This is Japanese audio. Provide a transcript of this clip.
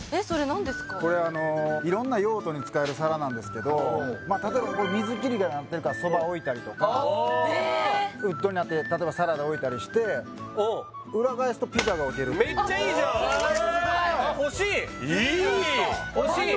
これ色んな用途に使える皿なんですけど例えば水切りになってるからそば置いたりとかウッドになって例えばサラダ置いたりしてめっちゃいいじゃんいい！